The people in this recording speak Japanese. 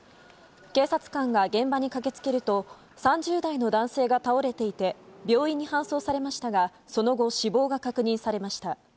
警察官が現場に駆け付けると３０代の男性が倒れていて病院に搬送されましたがその後、死亡が確認されました。